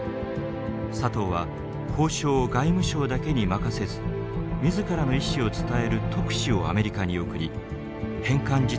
佐藤は交渉を外務省だけに任せず自らの意志を伝える特使をアメリカに送り返還実現の可能性を探っていきます。